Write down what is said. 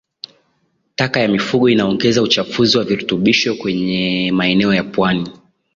Taka ya mifugo inaongeza uchafuzi wa virutubisho kwenye maeneo ya pwani